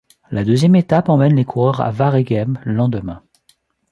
La deuxième étape emmène les coureurs à Waregem le lendemain.